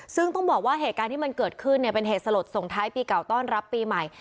ซึ่งต้องบอกว่าเหตุการณ์ที่มันเกิดขึ้นเนี่ยเป็นเหตุสลดส่งท้ายปีเก่าต้อนรับปีใหม่